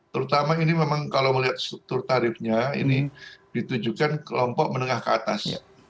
terutama ini memang kalau melihat struktur tarifnya ini ditujukan kelompok menengah ke atas